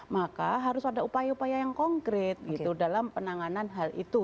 maka harus ada upaya upaya yang konkret gitu dalam penanganan hal itu